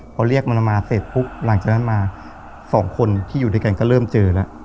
พอเรียกมันมาเสร็จปุ๊บหลังจากนั้นมาสองคนที่อยู่ด้วยกันก็เริ่มเจอแล้ว